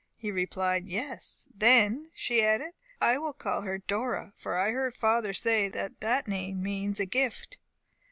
He replied, "Yes." "Then," she added, "I will call her Dora, for I heard father say that that name means a gift."